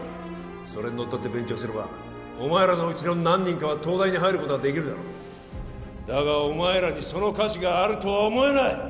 それにのっとって勉強すればお前らのうちの何人かは東大に入ることができるだろうだがお前らにその価値があるとは思えない！